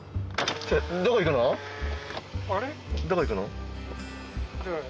どこ行くの？